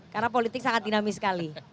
karena politik sangat dinamis sekali